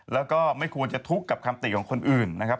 แล้วก็ไม่ควรจะทุกข์กับคำติของคนอื่นนะครับ